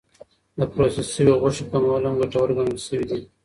د پروسس شوې غوښې کمول هم ګټور ګڼل شوی دی.